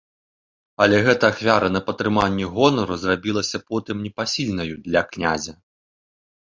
Але гэтая ахвяра на падтрыманне гонару зрабілася потым непасільнаю для князя.